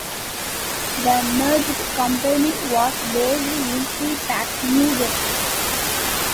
The merged company was based in Peapack, New Jersey.